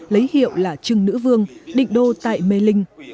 lấy hiệu là trưng nữ vương định đô tại mê linh